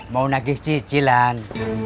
mau nagih cicilan